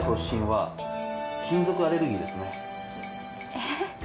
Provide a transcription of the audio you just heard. えっ？